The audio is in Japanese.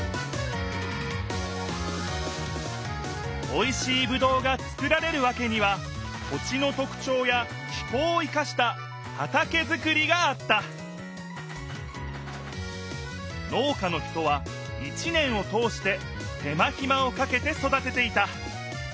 おいしいぶどうがつくられるわけには土地のとくちょうや気候を生かした畑づくりがあった農家の人は一年を通して手間ひまをかけて育てていた。